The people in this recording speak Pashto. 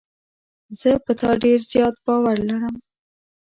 زه په تا ډېر زیات باور لرم.